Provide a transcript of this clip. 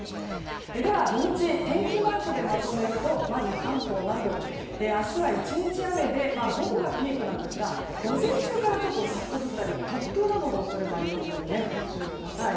では、土日天気マークでまとめるとまず関東南部。明日は１日雨で午後がピークなんですが午前中からざっと降ったり突風などの恐れもあるのでご注意ください。